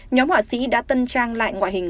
nhóm họa sĩ đã tân trang lại ngoại hình